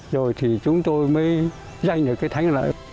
rồi thì chúng tôi mới giành được cái thắng lợi